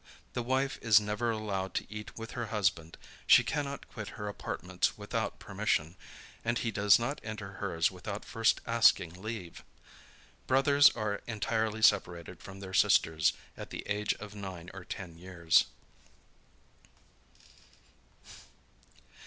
The wife is never allowed to eat with her husband; she cannot quit her apartments without permission; and he does not enter hers without first asking leave. Brothers are entirely separated from their sisters at the age of nine or ten years.